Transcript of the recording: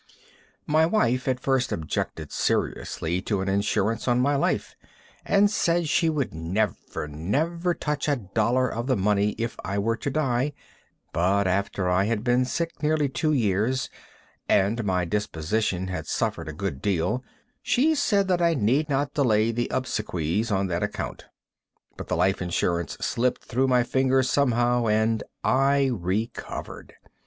My wife at first objected seriously to an insurance on my life, and said she would never, never touch a dollar of the money if I were to die, but after I had been sick nearly two years, and my disposition had suffered a good deal, she said that I need not delay the obsequies on that account. But the life insurance slipped through my fingers somehow, and I recovered.